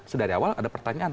sedari awal ada pertanyaan